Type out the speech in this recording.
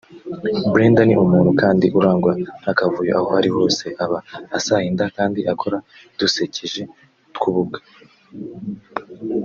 Brenda ni umuntu kandi urangwa n’akavuyo aho arihose aba asahinda kandi akora dusekeje (tw’ububwa)